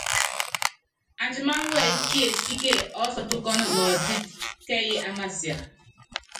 Andimáná wɛyí kiesíke ɔ́sɔ́tukɔ́nɔ nɔɔtɛ́t kɛ́yí ámasia.